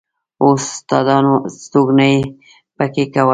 اوس استادانو استوګنه په کې کوله.